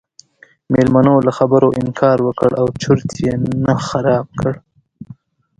میلمنو له خبرو انکار وکړ او چرت یې نه خراب کړ.